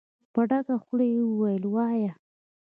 په ډکه خوله يې وويل: وايه!